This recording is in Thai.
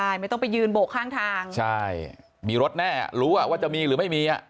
ใช่ไม่ต้องไปยืนโบกข้างทางใช่มีรถแน่รู้อ่ะว่าจะมีหรือไม่มีอ่ะ